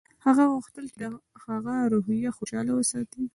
هغه غوښتل چې د هغه روحیه خوشحاله وساتي